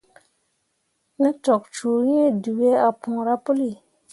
Ne cok cuu hĩĩ, dǝwe ah puura puli.